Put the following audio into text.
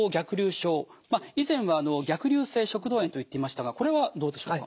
症以前は逆流性食道炎と言っていましたがこれはどうでしょうか？